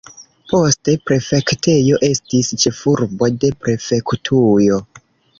Poste, prefektejo estis ĉefurbo de prefektujo.